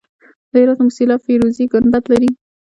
د هرات موسیلا فیروزي ګنبد لري